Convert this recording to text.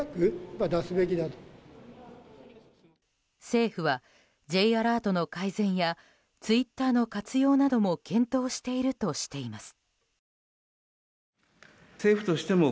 政府はＪアラートの改善やツイッターの活用なども検討しているとしています。